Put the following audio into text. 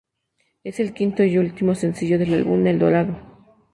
Es el quinto y ultimo sencillo del álbum El Dorado.